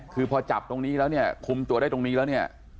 คือพอจับตรงนี้แล้วเนี่ยคุมตัวได้ตรงนี้แล้วเนี่ย